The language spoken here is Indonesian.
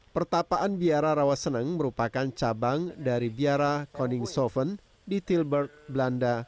pertapaan biara rawaseneng merupakan cabang dari biara koningshoven di tilburg belanda